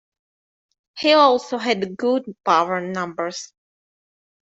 He also had good power numbers.